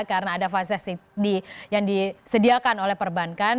karena ada fasilitas yang disediakan oleh perbankan